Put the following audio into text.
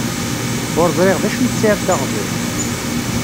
Ur ẓriɣ d acu i tesɛiḍ d aɣbel.